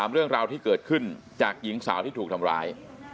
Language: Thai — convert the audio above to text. เรื่องราวที่เกิดขึ้นจากหญิงสาวที่ถูกทำร้าย